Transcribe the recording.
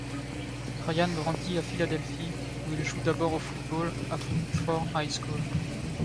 Ryan grandit à Philadelphie où il joue d'abord au football à Frankford High School.